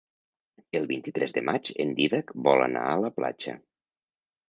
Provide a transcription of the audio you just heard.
El vint-i-tres de maig en Dídac vol anar a la platja.